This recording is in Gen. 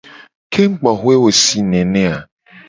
Kengugboxue wo le sii nene a?